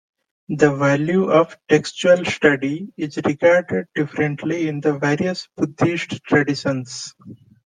The value of textual study is regarded differently in the various Buddhist traditions.